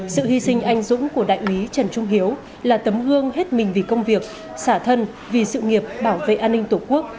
sự hy sinh anh dũng của đại úy trần trung hiếu là tấm gương hết mình vì công việc xả thân vì sự nghiệp bảo vệ an ninh tổ quốc